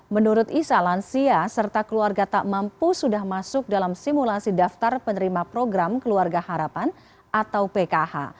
menurut isa lansia serta keluarga tak mampu sudah masuk dalam simulasi daftar penerima program keluarga harapan atau pkh